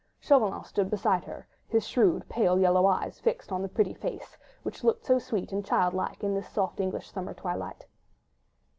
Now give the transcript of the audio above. Chauvelin stood beside her, his shrewd, pale, yellow eyes fixed on the pretty face, which looked so sweet and childlike in this soft English summer twilight.